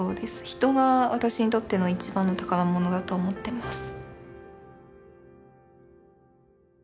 人が私にとっての一番の宝物だと思ってます。